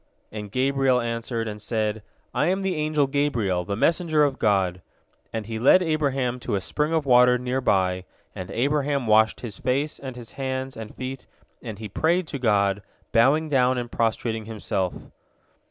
And Gabriel answered, and said, "I am the angel Gabriel, the messenger of God," and he led Abraham to a spring of water near by, and Abraham washed his face and his hands and feet, and he prayed to God, bowing down and prostrating himself.